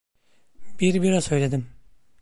Bir bira söyledim.